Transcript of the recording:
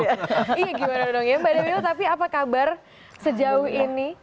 iya gimana dong ya mbak dewil tapi apa kabar sejauh ini